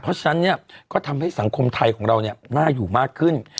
เพราะฉะนั้นเนี่ยก็ทำให้สังคมไทยของเราน่าอยู่มากขึ้น